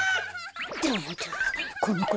ダメだこのこ